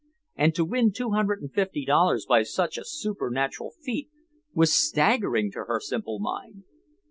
And to win two hundred and fifty dollars by such a supernatural feat was staggering to her simple mind.